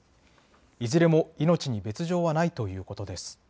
いずれも命に別状はないということです。